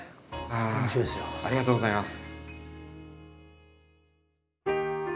ありがとうございます。